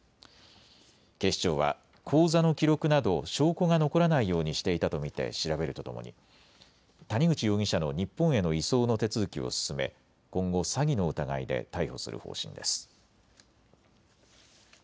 警視庁は口座の記録など証拠が残らないようにしていたと見て調べるとともに谷口容疑者の日本への移送の手続きを進め、今後、詐欺の疑いで逮捕する方針です。